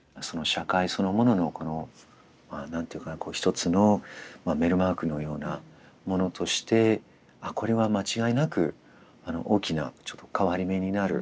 社会そのもののこのまあ何ていうか一つのメルクマールのようなものとしてこれは間違いなく大きな変わり目になる。